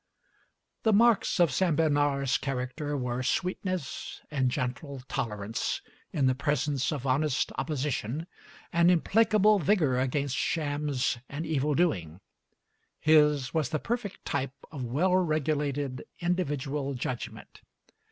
The marks of Saint Bernard's character were sweetness and gentle tolerance in the presence of honest opposition, and implacable vigor against shams and evil doing. His was the perfect type of well regulated individual judgment.